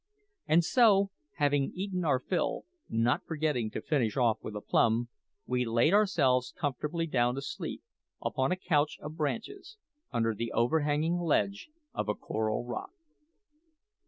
And so, having eaten our fill, not forgetting to finish off with a plum, we laid ourselves comfortably down to sleep, upon a couch of branches, under the overhanging ledge of a coral rock.